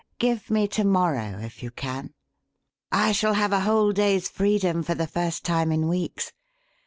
Give me to morrow, if you can. I shall have a whole day's freedom for the first time in weeks.